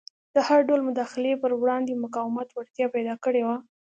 د هر ډول مداخلې پر وړاندې مقاومت وړتیا پیدا کړې وه.